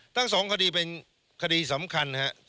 ทั้ง๒คดีเป็นคดีสำคัญนะครับ